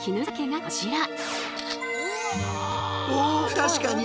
確かにね。